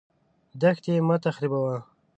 دښتې مه تخریبوه.